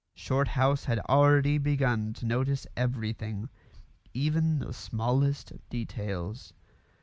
Shorthouse had already begun to notice everything, even the smallest details.